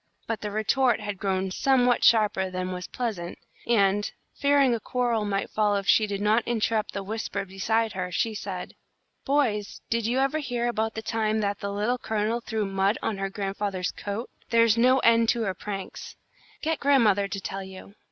But the retort had grown somewhat sharper than was pleasant, and, fearing a quarrel might follow if she did not interrupt the whispers beside her, she said: "Boys, did you ever hear about the time that the Little Colonel threw mud on her grandfather's coat? There's no end to her pranks. Get grandmother to tell you."